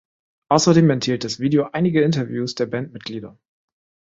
Außerdem enthielt das Video einige Interviews der Bandmitglieder.